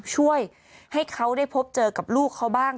ช่วยให้เขาได้พบเจอกับลูกเขาบ้าง